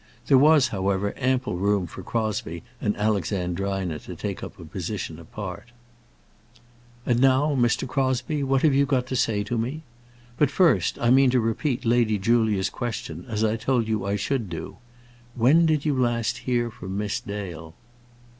There was, however, ample room for Crosbie and Alexandrina to take up a position apart. "And now, Mr. Crosbie, what have you got to say to me? But, first, I mean to repeat Lady Julia's question, as I told you that I should do. When did you hear last from Miss Dale?"